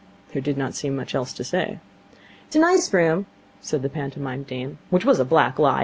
There did not seem much else to say. 'It's a nice room,' said the pantomime dame. Which was a black lie.